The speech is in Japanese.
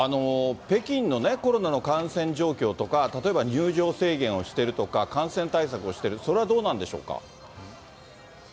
北京のコロナの感染状況とか、例えば、入場制限をしてるとか、感染対策をしてる、それはどうなんでしょうか。